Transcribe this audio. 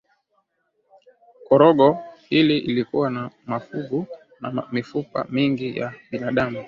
korongo hili lilikuwa na mafuvu na mifupa mingi ya binadamu